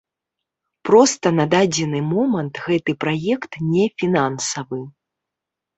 Проста на дадзены момант гэта праект не фінансавы.